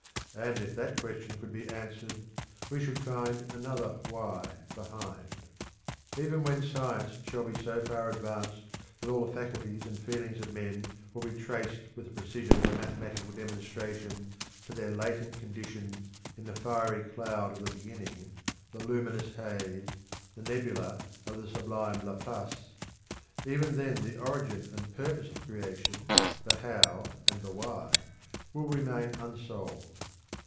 And if that question could be answered; we should find another why behind. Even when science shall be so far advanced that all the faculties and feelings of men will be traced with the precision of a mathematical demonstration to their latent condition in the fiery cloud of the beginning, the luminous haze, the nebula of the sublime Laplace: even then the origin and purpose of creation, the How and the Why, will remain unsolved.